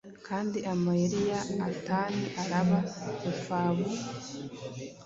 Kandi amayeri ya atani araba impfabua